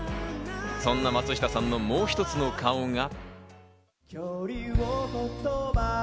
そんな松下さんのもう一つの顔が。